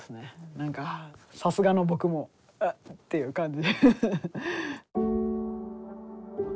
何かさすがのボクも「あっ」っていう感じ。